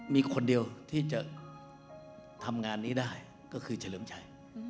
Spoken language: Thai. มีคนเดียวที่จะทำงานนี้ได้ก็คือเฉลิมชัย